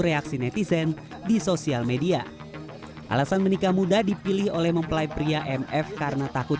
reaksi netizen di sosial media alasan menikah muda dipilih oleh mempelai pria mf karena takut